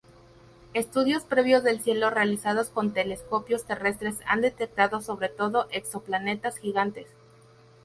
Estudios previos del cielo realizados con telescopios terrestres han detectado sobre todo exoplanetas gigantes.